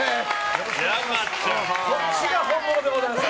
こっちが本物でございます。